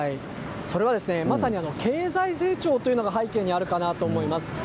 それはまさに経済成長というのが背景にあるかなと思います。